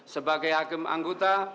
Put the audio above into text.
sebagai hakim anggota